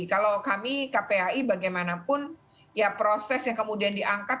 kalau kami kpai bagaimanapun ya proses yang kemudian diangkat